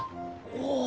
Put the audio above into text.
おお！